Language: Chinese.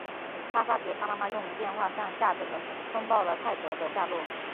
他发觉他妈妈用电话向下等人通报了泰德的下落。